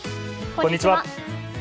こんにちは。